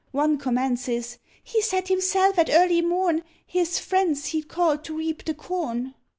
One commences "He said himself, at early morn, His friends he'd call to reap the corn."